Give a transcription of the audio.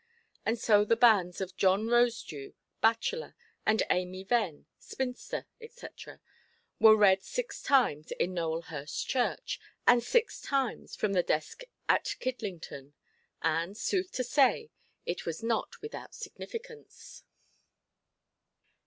And so the banns of John Rosedew, bachelor, and Amy Venn, spinster, &c., were read six times in Nowelhurst Church, and six times from the desk at Kidlington. And, sooth to say, it was not without significance.